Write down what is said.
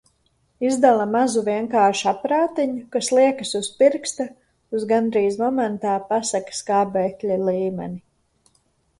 Izdala mazu vienkāršu aparātiņu, kas liekas uz pirksta uz gandrīz momentā pasaka skābekļa līmeni.